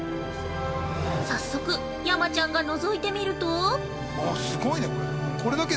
早速、山ちゃんがのぞいてみると。